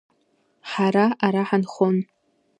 Ҳара ара ҳанхон…